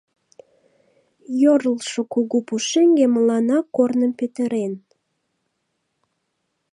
Йӧрлшӧ кугу пушеҥге мыланна корным петырен.